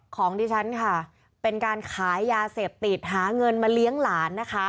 ของดิฉันค่ะเป็นการขายยาเสพติดหาเงินมาเลี้ยงหลานนะคะ